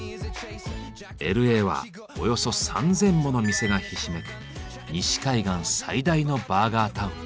Ｌ．Ａ．はおよそ３，０００もの店がひしめく西海岸最大のバーガータウン。